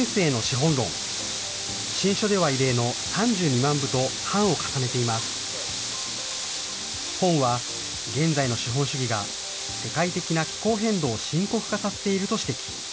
本は、現在の資本主義が世界的な気候変動を深刻化させていると指摘。